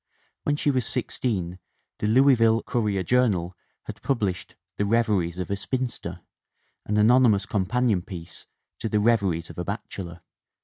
When she was sixteen the Louisville Courier Journal had published The Rev eries of a Spinster, an anonymous companion piece to The Reveries of a Bachelor.